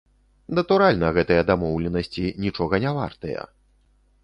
Натуральна, гэтыя дамоўленасці нічога не вартыя.